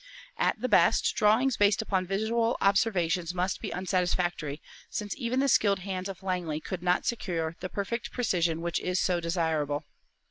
At the best, drawings based upon visual observations must be unsatisfactory, since even the skilled hands of Langley could not secure the perfect precision which is so desirable.